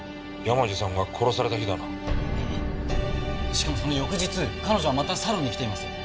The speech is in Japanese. しかもその翌日彼女はまたサロンに来ています。